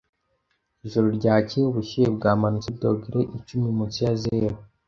Ijoro ryakeye, ubushyuhe bwamanutse kuri dogere icumi munsi ya zeru.